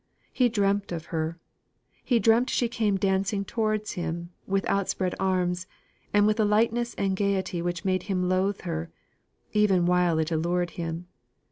He dreamt of her; he dreamt she came dancing towards him with outspread arms, and with a lightness and gaiety which made him loathe her, even while it allured him.